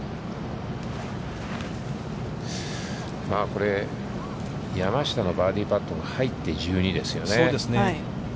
これ、山下のバーディーパットが入って１２ですよね。